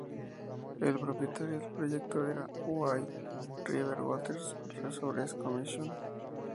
El propietario del proyecto era Huai River Water Resources Commission.